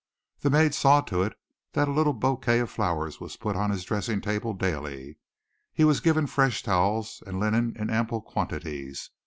The maid saw to it that a little bouquet of flowers was put on his dressing table daily. He was given fresh towels and linen in ample quantities.